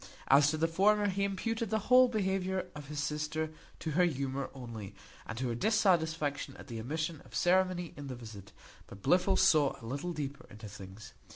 As to the former, he imputed the whole behaviour of his sister to her humour only, and to her dissatisfaction at the omission of ceremony in the visit; but Blifil saw a little deeper into things.